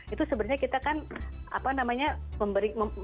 itu sebenarnya kita kan apa namanya memberikan memberikan